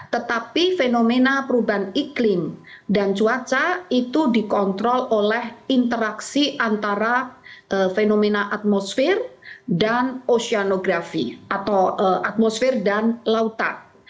tetapi fenomena perubahan iklim dan cuaca itu dikontrol oleh interaksi antara fenomena atmosfer dan oceanografi atau atmosfer dan lautan